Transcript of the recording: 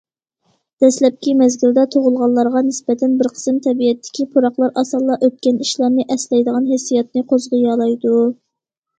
دەسلەپكى مەزگىلدە تۇغۇلغانلارغا نىسبەتەن، بىر قىسىم تەبىئەتتىكى پۇراقلار ئاسانلا ئۆتكەن ئىشلارنى ئەسلەيدىغان ھېسسىياتنى قوزغىيالايدۇ.